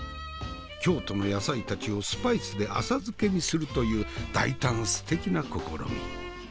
京都の野菜たちをスパイスで浅漬けにするという大胆すてきな試み。